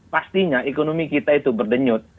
pastinya ekonomi kita itu berdenyut